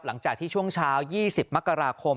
หลังจากที่ช่วงเช้า๒๐มกราคม